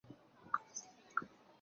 芬里尔是邪神洛基。